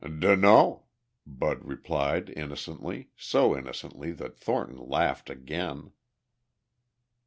"Dunno," Bud replied innocently, so innocently that Thornton laughed again.